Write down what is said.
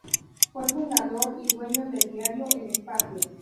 Fue fundador y dueño del diario El Espacio.